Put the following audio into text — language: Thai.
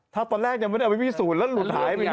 ถ้าตอนแรกยังไม่ได้เอาไปพิสูจน์แล้วหลุดหายไปไหน